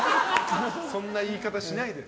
そんな言い方しないで。